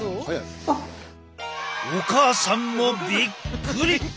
お母さんもびっくり！